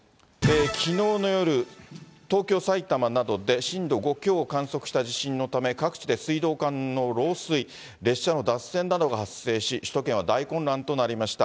きのうの夜、東京、埼玉などで震度５強を観測した地震のため、各地で水道管の漏水、列車の脱線などが発生し、首都圏は大混乱となりました。